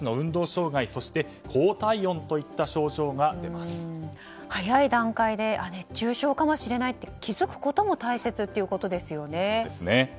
障害そして、高体温といった症状が早い段階で熱中症かもしれないと気付くことも大切ということですよね。